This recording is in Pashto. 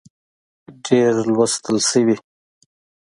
ډېر لوستل شوي